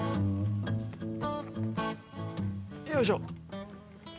よいしょ。